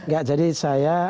gak jadi saya